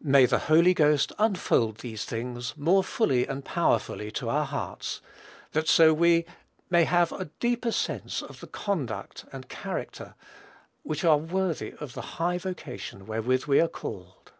May the Holy Ghost unfold these things, more fully and powerfully, to our hearts, that so we may have a deeper sense of the conduct and character which are worthy of the high vocation wherewith we are called.